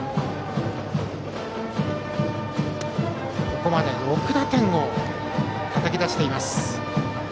ここまで６打点をたたき出しています。